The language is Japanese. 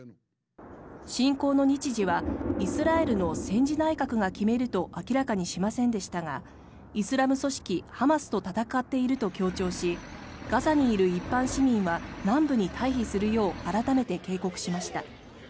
侵攻の日時はイスラエルの戦時内閣が決めると明らかにしませんでしたがイスラム組織ハマスと戦っていると強調しガザにいる一般市民は南部に退避するよう改めて警告しました。